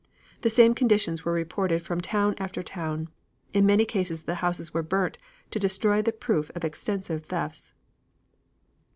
The same conditions were reported from town after town. In many cases the houses were burnt to destroy the proof of extensive thefts.